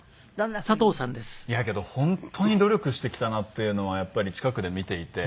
いやけど本当に努力してきたなっていうのはやっぱり近くで見ていて。